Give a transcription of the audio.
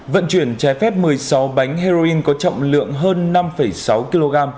vận chuyển trái phép một mươi sáu bánh heroin có trọng lượng hơn năm sáu kg